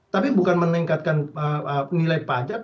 tapi bukan meningkatkan nilai pajak